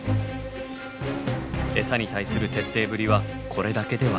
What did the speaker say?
エサに対する徹底ぶりはこれだけではないんです。